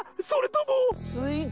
それとも。